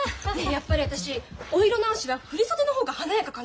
やっぱり私お色直しは振り袖の方が華やかかなあ？